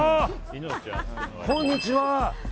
こんにちは。